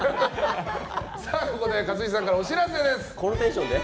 ここで勝地さんからお知らせです。